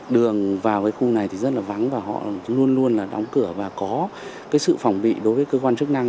đường vào khu này thì rất là vắng và họ luôn luôn đóng cửa và có sự phòng bị đối với cơ quan chức năng